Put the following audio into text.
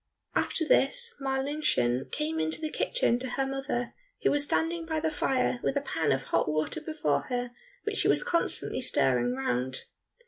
After this Marlinchen came into the kitchen to her mother, who was standing by the fire with a pan of hot water before her which she was constantly stirring round.